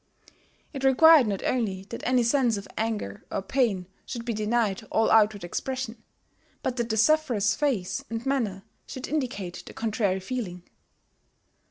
It required not only that any sense of anger or pain should be denied all outward expression, but that the sufferer's face and manner should indicate the contrary feeling.